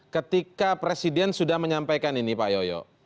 ketika presiden sudah menyampaikan ini pak yoyo